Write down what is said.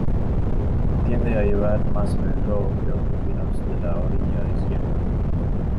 Tiende a llevar más "merlot" que otros vinos de la orilla izquierda.